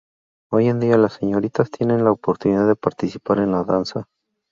Hoy en día las señoritas tienen la oportunidad de participar en la danza.